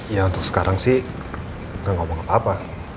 ya untuk sekarang sih bukan ngomong apa apa